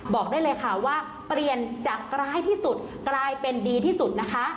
บอกได้เลยค่ะว่าเปลี่ยนจากร้ายที่สุดกลายเป็นดีที่สุดนะคะ